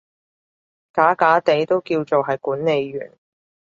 假假地都叫做係管理員